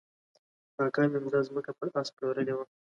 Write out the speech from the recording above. کاکا مې همدا ځمکه پر آس پلورلې وه.